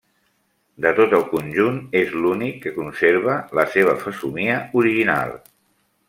De tot el conjunt és l'únic que conserva la seva fesomia original.